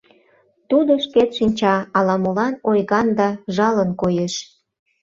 Тудо шкет шинча, ала-молан ойган да жалын коеш.